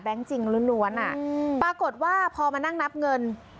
จริงล้วนปรากฏว่าพอมานั่งนับเงิน